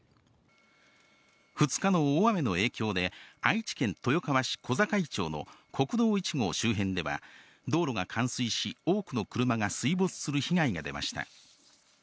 ２日の大雨の影響で、愛知県豊川市小坂井町の国道１号周辺では、道路が冠水し、多くの車が水没する被害が出ました。